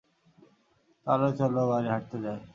তাহলে, চলো, বাইরে হাটতে যাই।